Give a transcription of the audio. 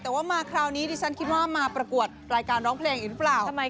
แต่ว่ามาคราวนี้ดิฉันคิดว่ามาประกวดรายการร้องเพลงอีกหรือเปล่า